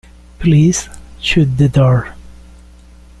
Please shut the door.